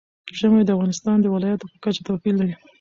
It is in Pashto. ژمی د افغانستان د ولایاتو په کچه توپیر لري.